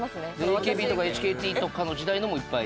「ＡＫＢ」とか「ＨＫＴ」とかの時代のもいっぱい？